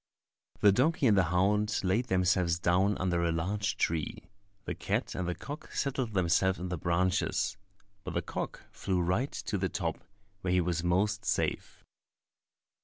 The donkey and the hound laid themselves down under a large tree, the cat and the cock settled themselves in the branches; but the cock flew right to the top, where he was most safe.